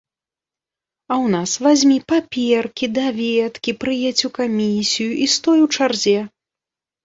А ў нас вазьмі паперкі, даведкі, прыедзь у камісію і стой у чарзе.